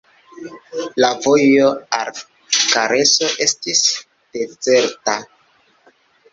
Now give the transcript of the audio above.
La vojo al Kareso estis dezerta.